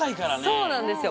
そうなんですよ！